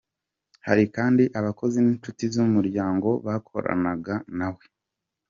Hari kandi abakozi n’inshuti z’umuryango bakoranaga nawe.